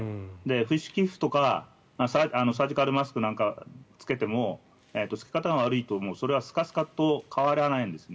不織布とかサージカルマスクなんか着けても着け方が悪いと、それはスカスカと変わらないんですね。